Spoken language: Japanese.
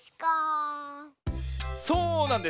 そうなんです！